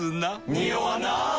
ニオわない！